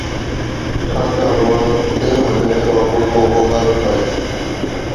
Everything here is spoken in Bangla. ঠাণ্ডা আবহাওয়াতে হজমের অপূর্ব উপকার হয়।